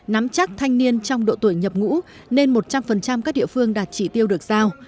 nắm chắc thanh niên trong độ tuổi nhập ngũ nên một trăm linh các địa phương đạt trị tiêu được giao